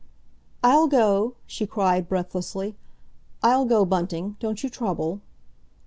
"I'll go," she cried breathlessly. "I'll go, Bunting; don't you trouble."